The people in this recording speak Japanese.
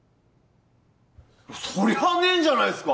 そりゃねえんじゃないすか？